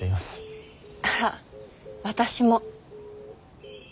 あら私も。